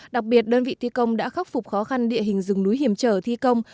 đặc biệt đơn vị thi công đã khắc phục khó khăn địa hình rừng núi hiểm trở thi công